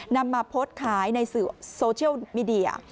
นำมาโพสต์ขายในสื่อโซเชียลมีเดีย